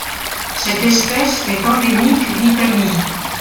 Cette espèce est endémique d'Italie.